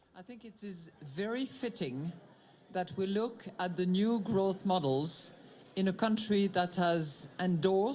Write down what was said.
saya pikir sangat sesuai dengan cara kita melihat model pembangunan baru di negara yang telah mendorong